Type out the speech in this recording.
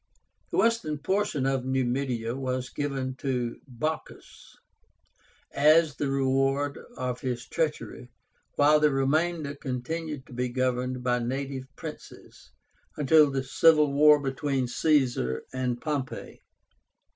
The western portion of Numidia was given to Bocchus as the reward of his treachery, while the remainder continued to be governed by native princes, until the civil war between Caesar and Pompey.